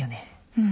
うん。